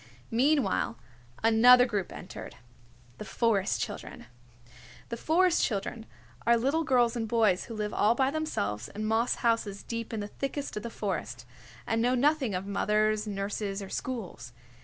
Meanwhile, another group entered, the Forest Children. The Forest Children are little girls and boys who live all by themselves in moss houses deep in the thickest of the forest, and know nothing of mothers, nurses or schools.